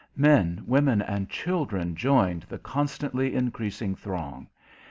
Men, women and children joined the constantly increasing throng.